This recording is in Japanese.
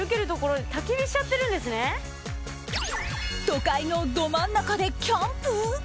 都会のど真ん中でキャンプ？